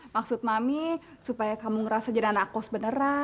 maksud mami supaya kamu ngerasa jadi anak kos beneran